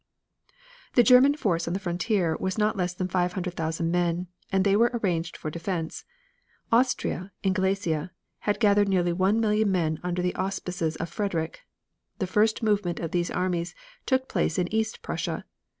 The German force on the frontier was not less than five hundred thousand men, and they were arranged for defense. Austria, in Galicia, had gathered nearly one million men under the auspices of Frederick. The first movement of these armies took place in East Prussia.